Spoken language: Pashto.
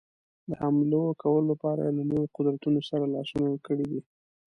د حملو کولو لپاره یې له لویو قدرتونو سره لاسونه یو کړي دي.